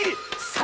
３